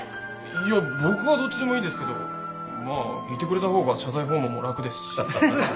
いや僕はどっちでもいいですけどまあいてくれた方が謝罪訪問も楽ですし。